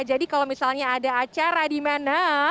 jadi kalau misalnya ada acara di mana